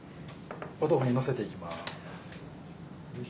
豆腐にのせていきます。